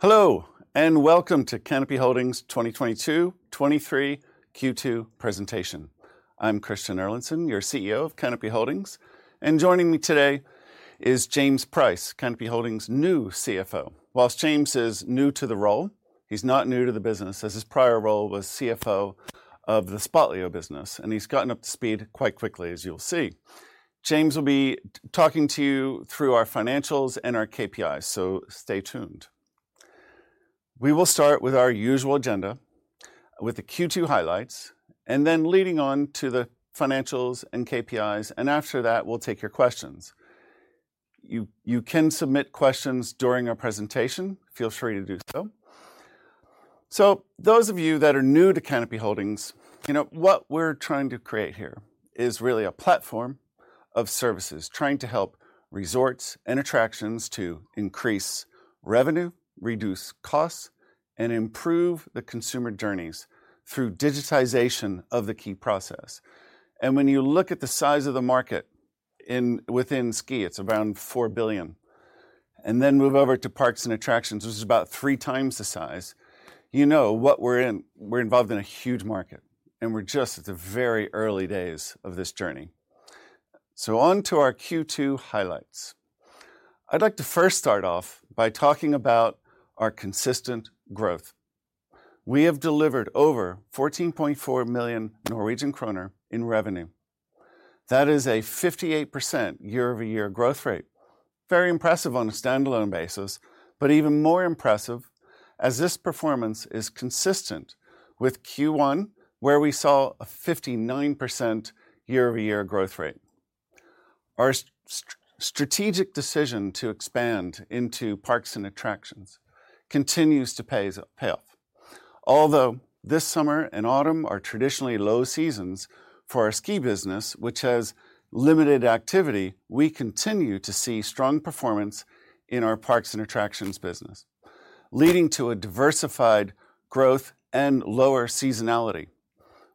Hello and welcome to Canopy Holdings 2022-2023 Q2 presentation. I'm Christian Erlandson, your CEO of Canopy Holdings, and joining me today is James Price, Canopy Holdings' new CFO. While James is new to the role, he's not new to the business, as his prior role was CFO of the Spotlio business, and he's gotten up to speed quite quickly, as you'll see. James will be talking to you through our financials and our KPIs, so stay tuned. We will start with our usual agenda, with the Q2 highlights, and then leading on to the financials and KPIs, and after that we'll take your questions. You can submit questions during our presentation. Feel free to do so. Those of you that are new to Canopy Holdings, you know, what we're trying to create here is really a platform of services trying to help resorts and attractions to increase revenue, reduce costs, and improve the consumer journeys through digitization of the key process. When you look at the size of the market within ski, it's around 4 billion, and then move over to parks and attractions, which is about 3x the size, you know what we're in. We're involved in a huge market, and we're just at the very early days of this journey. On to our Q2 highlights. I'd like to first start off by talking about our consistent growth. We have delivered over 14.4 million Norwegian kroner in revenue. That is a 58% year-over-year growth rate. Very impressive on a standalone basis, but even more impressive as this performance is consistent with Q1, where we saw a 59% year-over-year growth rate. Our strategic decision to expand into parks and attractions continues to pay off. Although this summer and autumn are traditionally low seasons for our ski business, which has limited activity, we continue to see strong performance in our parks and attractions business, leading to a diversified growth and lower seasonality.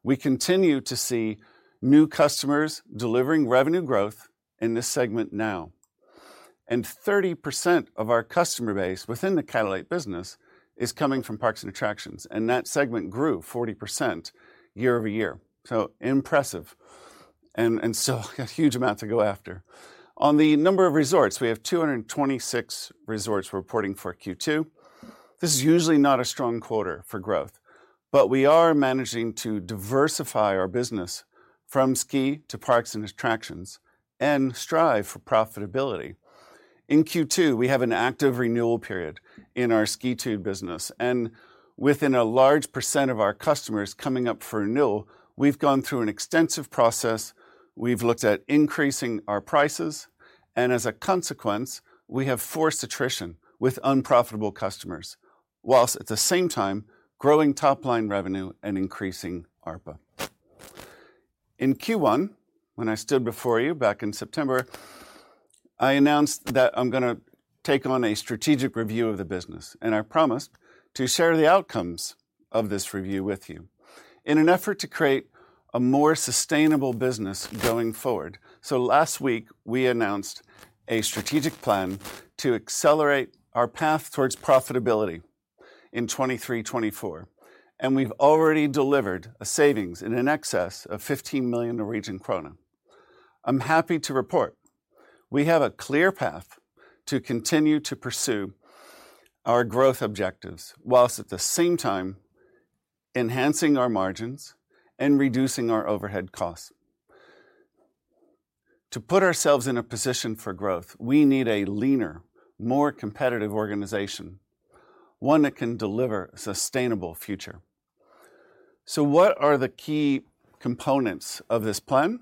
We continue to see new customers delivering revenue growth in this segment now. Thirty percent of our customer base within the Catalate business is coming from parks and attractions, and that segment grew 40% year over year. Impressive, and still a huge amount to go after. On the number of resorts, we have 226 resorts reporting for Q2. This is usually not a strong quarter for growth. We are managing to diversify our business from ski to parks and attractions and strive for profitability. In Q2, we have an active renewal period in our Skitude business. Within a large percent of our customers coming up for renewal, we've gone through an extensive process. We've looked at increasing our prices. As a consequence, we have forced attrition with unprofitable customers, whilst at the same time growing top-line revenue and increasing ARPA. In Q1, when I stood before you back in September, I announced that I'm gonna take on a strategic review of the business. I promised to share the outcomes of this review with you in an effort to create a more sustainable business going forward. Last week we announced a strategic plan to accelerate our path towards profitability in 2023-2024, and we've already delivered a savings in an excess of 15 million Norwegian krone. I'm happy to report we have a clear path to continue to pursue our growth objectives while at the same time enhancing our margins and reducing our overhead costs. To put ourselves in a position for growth, we need a leaner, more competitive organization, one that can deliver a sustainable future. What are the key components of this plan?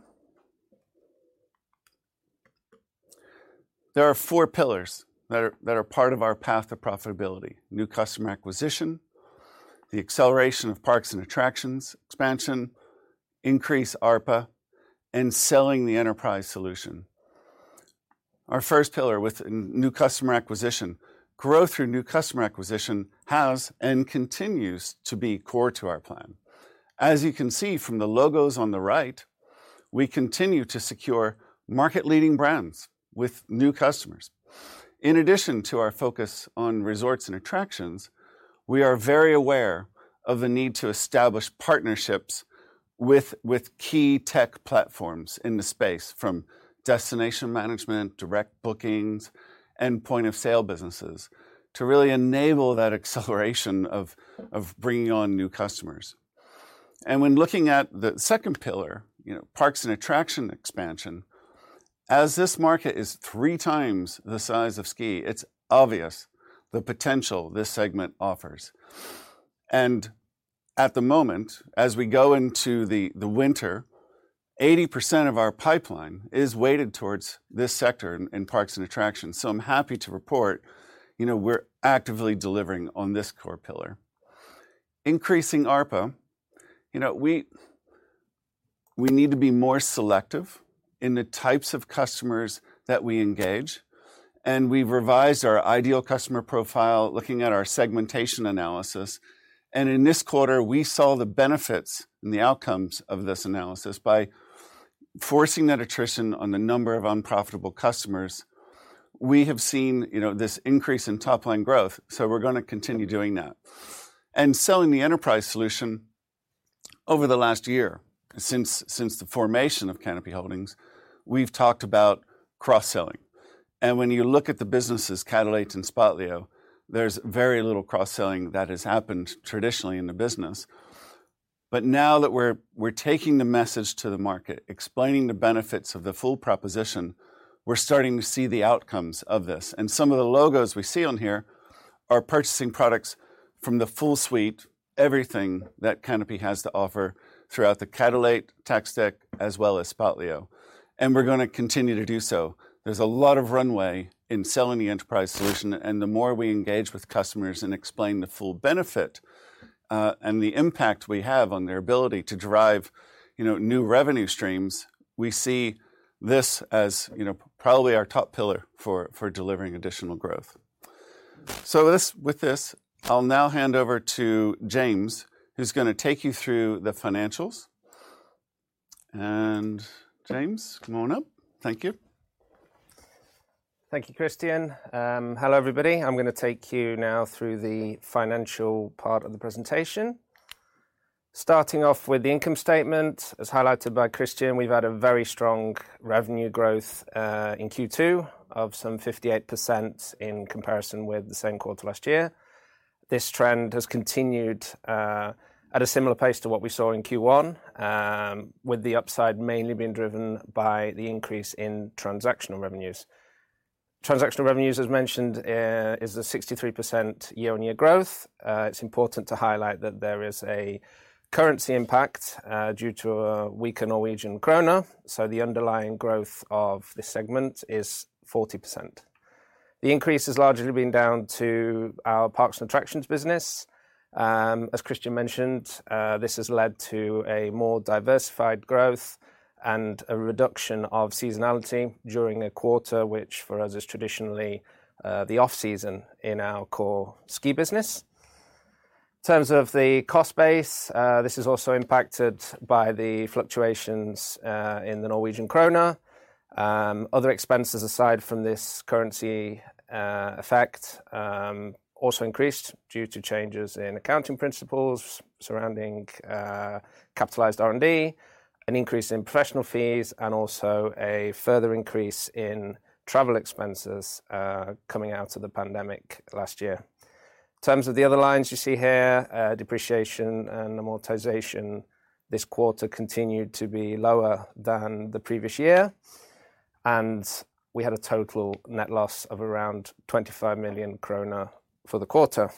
There are four pillars that are part of our path to profitability: new customer acquisition, the acceleration of parks and attractions expansion, increase ARPA, and selling the enterprise solution. Our first pillar with new customer acquisition, growth through new customer acquisition has and continues to be core to our plan. As you can see from the logos on the right, we continue to secure market-leading brands with new customers. In addition to our focus on resorts and attractions, we are very aware of the need to establish partnerships with key tech platforms in the space, from destination management, direct bookings, and point-of-sale businesses, to really enable that acceleration of bringing on new customers. When looking at the second pillar, you know, parks and attraction expansion, as this market is 3x the size of ski, it's obvious the potential this segment offers. At the moment, as we go into the winter, 80% of our pipeline is weighted towards this sector in parks and attractions. I'm happy to report, you know, we're actively delivering on this core pillar. Increasing ARPA, you know, we need to be more selective in the types of customers that we engage, and we've revised our ideal customer profile looking at our segmentation analysis. In this quarter, we saw the benefits and the outcomes of this analysis by re-forcing that attrition on the number of unprofitable customers, we have seen, you know, this increase in top-line growth, so we're gonna continue doing that. Selling the enterprise solution over the last year since the formation of Canopy Holdings, we've talked about cross-selling. When you look at the businesses, Catalate and Spotlio, there's very little cross selling that has happened traditionally in the business. Now that we're taking the message to the market, explaining the benefits of the full proposition, we're starting to see the outcomes of this. Some of the logos we see on here are purchasing products from the full suite, everything that Canopy has to offer throughout the Catalate tech stack as well as Spotlio. We're gonna continue to do so. There's a lot of runway in selling the enterprise solution, and the more we engage with customers and explain the full benefit, and the impact we have on their ability to drive, you know, new revenue streams, we see this as, you know, probably our top pillar for delivering additional growth. With this, I'll now hand over to James, who's gonna take you through the financials. James, come on up. Thank you. Thank you, Christian. Hello, everybody. I'm gonna take you now through the financial part of the presentation. Starting off with the income statement, as highlighted by Christian, we've had a very strong revenue growth, in Q2 of some 58% in comparison with the same quarter last year. This trend has continued, at a similar pace to what we saw in Q1, with the upside mainly being driven by the increase in transactional revenues. Transactional revenues, as mentioned, is a 63% year-on-year growth. It's important to highlight that there is a currency impact, due to a weaker Norwegian krone, so the underlying growth of this segment is 40%. The increase has largely been down to our parks and attractions business. As Christian mentioned, this has led to a more diversified growth and a reduction of seasonality during a quarter which, for us, is traditionally the off-season in our core ski business. In terms of the cost base, this is also impacted by the fluctuations in the Norwegian krone. Other expenses aside from this currency effect, also increased due to changes in accounting principles surrounding capitalized R&D, an increase in professional fees, and also a further increase in travel expenses coming out of the pandemic last year. In terms of the other lines you see here, depreciation and amortization this quarter continued to be lower than the previous year, and we had a total net loss of around 25 million kroner for the quarter.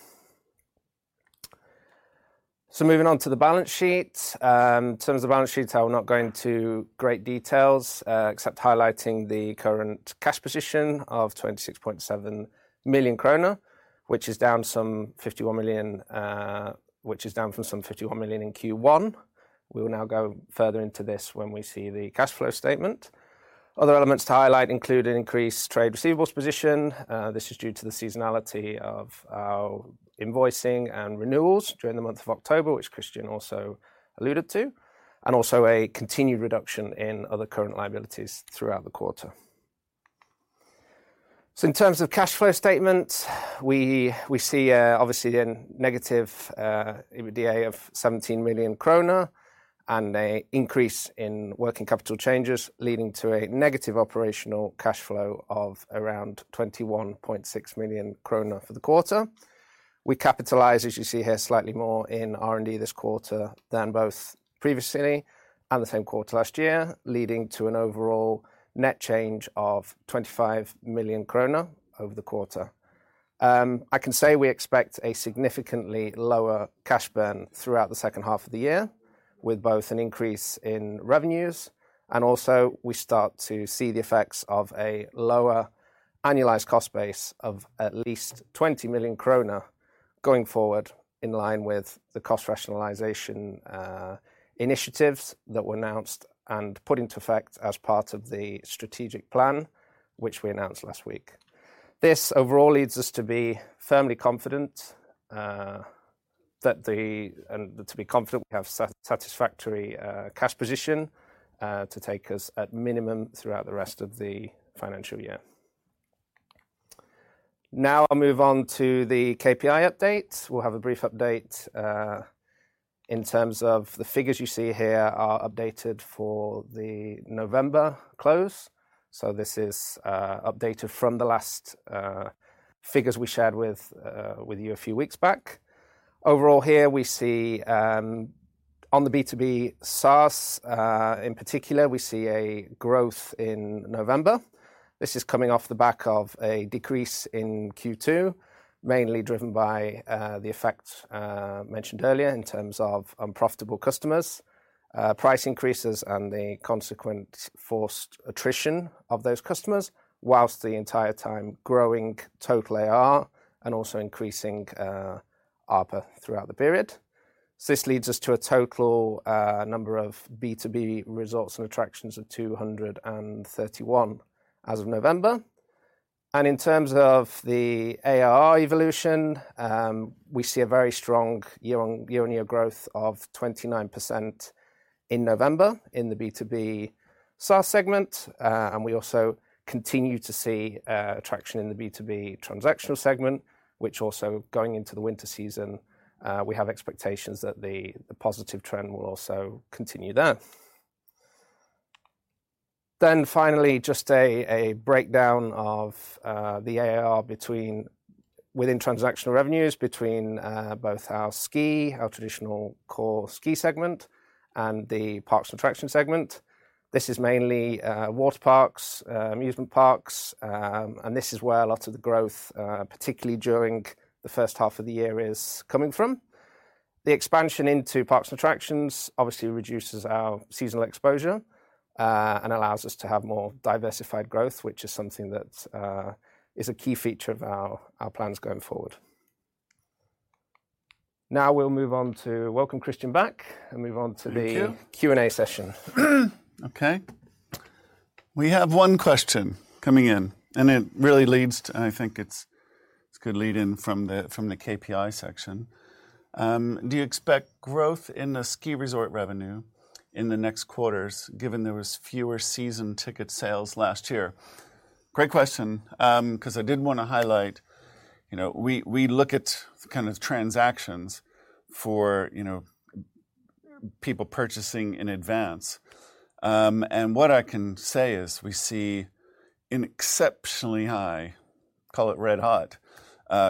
Moving on to the balance sheet. In terms of balance sheets, I will not go into great details, except highlighting the current cash position of 26.7 million kroner, which is down from some 51 million in Q1. We will now go further into this when we see the cash flow statement. Other elements to highlight include an increased trade receivables position. This is due to the seasonality of our invoicing and renewals during the month of October, which Christian also alluded to, and also a continued reduction in other current liabilities throughout the quarter. In terms of cash flow statement, we see obviously a negative EBITDA of 17 million kroner and a increase in working capital changes, leading to a negative operational cash flow of around 21.6 million kroner for the quarter. We capitalized, as you see here, slightly more in R&D this quarter than both previously and the same quarter last year, leading to an overall net change of 25 million kroner over the quarter. I can say we expect a significantly lower cash burn throughout the second half of the year with both an increase in revenues and also we start to see the effects of a lower annualized cost base of at least 20 million kroner going forward in line with the cost rationalization initiatives that were announced and put into effect as part of the strategic plan which we announced last week. This overall leads us to be firmly confident and to be confident we have satisfactory cash position to take us at minimum throughout the rest of the financial year. Now I'll move on to the KPI update. We'll have a brief update; in terms of the figures you see here are updated for the November close. This is updated from the last figures we shared with you a few weeks back. Overall, here, we see on the B2B SaaS, in particular, we see a growth in November. This is coming off the back of a decrease in Q2, mainly driven by the effects mentioned earlier in terms of unprofitable customers, price increases, and the consequent forced attrition of those customers whilst the entire time growing total AR and also increasing ARPA throughout the period. This leads us to a total number of B2B resorts and attractions of 231 as of November. In terms of the ARR evolution, we see a very strong year-on-year growth of 29% in November in the B2B SaaS segment. We also continue to see traction in the B2B transactional segment, which also going into the winter season, we have expectations that the positive trend will also continue there. Finally, just a breakdown of the ARR within transactional revenues between both our ski, our traditional core ski segment and the parks and attraction segment. This is mainly water parks, amusement parks, and this is where a lot of the growth particularly during the first half of the year is coming from. The expansion into parks and attractions obviously reduces our seasonal exposure, and allows us to have more diversified growth, which is something that's, is a key feature of our plans going forward. We'll move on to welcome Christian back and move on to. Thank you. Q&A session. We have one question coming in, and it really leads to. I think it's a good lead-in from the KPI section. Do you expect growth in the ski resort revenue in the next quarters, given there was fewer season ticket sales last year? Great question, 'cause I did wanna highlight, you know, we look at kind of transactions for, you know, people purchasing in advance. What I can say is we see an exceptionally high, call it red hot,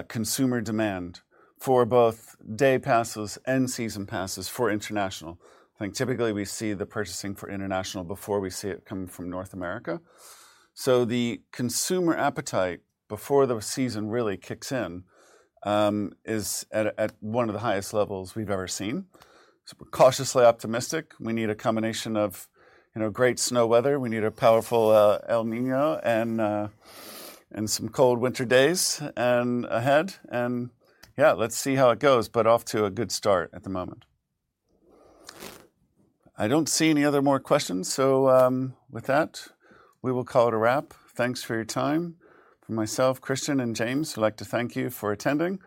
consumer demand for both day passes and season passes for international. I think typically we see the purchasing for international before we see it coming from North America. The consumer appetite before the season really kicks in, is at one of the highest levels we've ever seen. We're cautiously optimistic. We need a combination of, you know, great snow weather. We need a powerful, El Niño and some cold winter days ahead. Yeah, let's see how it goes. Off to a good start at the moment. I don't see any other more questions, so with that, we will call it a wrap. Thanks for your time. From myself, Christian and James, we'd like to thank you for attending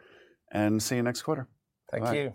and see you next quarter. Bye. Thank you.